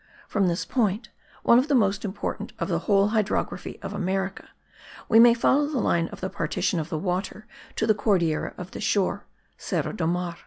From this point, one of the most important of the whole hydrography of America, we may follow the line of the partition of the water to the Cordillera of the shore (Serra do Mar).